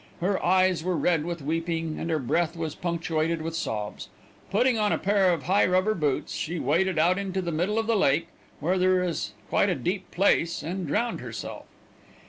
Her eyes were red with weeping and her breath was punctuated with sobs. Putting on a pair of high rubber boots she waded out into the middle of the lake, where there is quite a deep place, and drowned herself.